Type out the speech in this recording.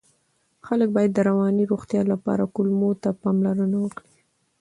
خلک باید د رواني روغتیا لپاره کولمو ته پاملرنه وکړي.